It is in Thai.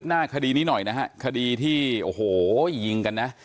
คดีนี้หน่อยนะฮะคดีที่โอ้โหยิงกันนะ